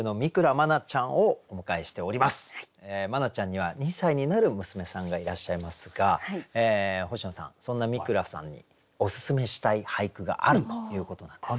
茉奈ちゃんには２歳になる娘さんがいらっしゃいますが星野さんそんな三倉さんにおすすめしたい俳句があるということなんですが。